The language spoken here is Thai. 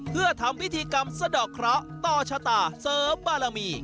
เพื่อทำพิธีกรรมสะดอกเคราะห์ต่อชะตาเสริมบารมี